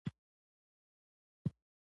رسۍ د ښوونځي په لوبو کې هم کارېږي.